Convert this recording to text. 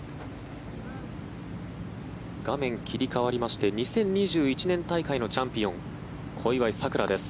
画面切り替わりまして２０２１年大会のチャンピオン小祝さくらです。